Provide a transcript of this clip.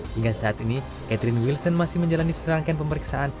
hingga saat ini catherine wilson masih menjalani serangkaian pemeriksaan